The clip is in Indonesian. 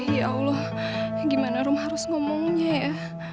ya allah ya gimana rom harus ngomongnya ya